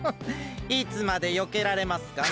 いつまでよけられますかね？